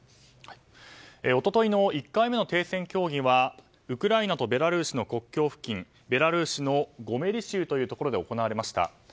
一昨日の１回目の停戦協議はウクライナとベラルーシの国境付近、ベラルーシのゴメリ州というところで行われました。